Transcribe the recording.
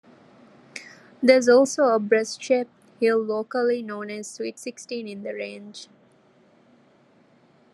There is also a breast-shaped hill locally known as Sweet Sixteen in the range.